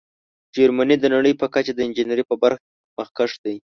جرمني د نړۍ په کچه د انجینیرۍ په برخه کې مخکښ دی.